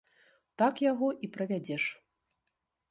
Так яго і правядзеш.